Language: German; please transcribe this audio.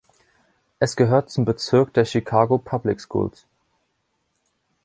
Es gehört zum Bezirk der Chicago Public Schools.